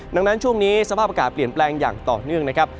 ดังนั้นช่วงนี้สภาพอากาศเปลี่ยนแปลงอย่างต่อเนื่องนะครับ